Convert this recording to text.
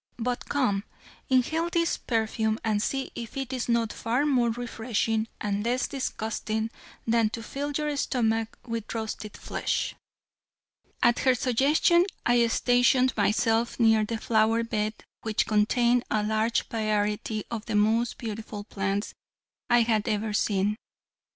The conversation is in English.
But come, inhale this perfume and see if it is not far more refreshing and less disgusting than to fill your stomach with roasted flesh." At her suggestion I stationed myself near the flower bed which contained a large variety of the most beautiful plants I had ever seen.